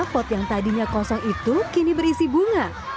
pot yang tadinya kosong itu kini berisi bunga